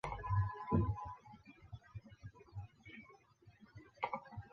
康熙五十年升任偏沅巡抚。